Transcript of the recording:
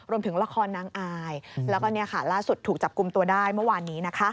รวมถึงละครนางอายแล้วก็ล่าสุดถูกจับกลุ่มตัวได้เมื่อวานนี้นะคะ